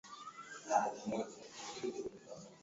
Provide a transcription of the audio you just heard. nchini Sierra Leon kikundi cha West Side Boys